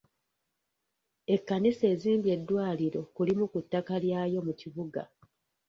Ekkanisa eziimbye eddwaliro ku limu ku ttaka lyayo mu kibuga.